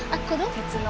鉄の。